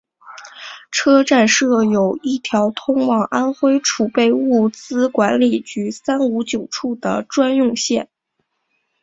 车站设有一条通往安徽储备物资管理局三五九处的专用线。